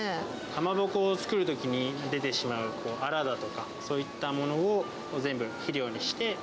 かまぼこを作るときに出てしまうアラだとか、そういったものを全部肥料にして。